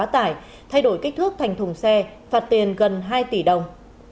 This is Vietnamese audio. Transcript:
tải thay đổi kích thước thành thùng xe phạt tiền gần hai tỷ đồng